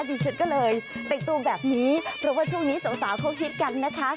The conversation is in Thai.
ดิฉันก็เลยแต่งตัวแบบนี้เพราะว่าช่วงนี้สาวเขาคิดกันนะคะ